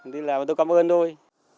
thế là tôi cảm ơn thôi